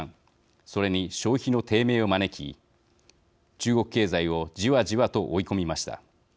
それに消費の低迷を招き中国経済をじわじわと追い込みました。